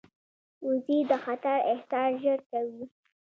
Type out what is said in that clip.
وزې د خطر احساس ژر کوي